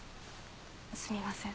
すみません